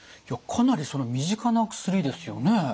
いやかなり身近な薬ですよね。